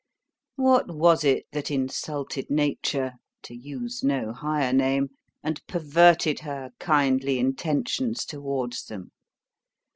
What was it that insulted Nature (to use no higher name), and perverted her kindly intentions towards them?